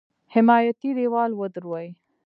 حمایتي دېوال ودروي.